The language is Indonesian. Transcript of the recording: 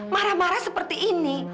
marah marah seperti ini